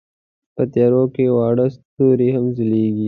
په تیارو کې واړه ستوري هم ځلېږي.